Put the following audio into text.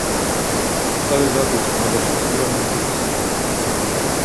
Cały Zachód zmaga się z ogromnym kryzysem